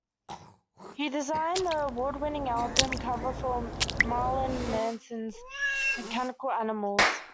He designed the award-winning album cover for Marilyn Manson's "Mechanical Animals".